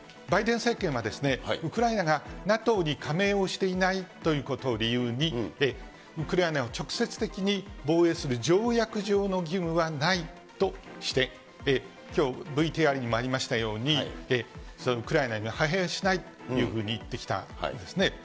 バイデン政権は、ウクライナがＮＡＴＯに加盟をしていないということを理由に、ウクライナを直接的に防衛する条約上の義務はないとして、きょう、ＶＴＲにもありましたように、ウクライナに派兵しないというふうに言ってきたんですね。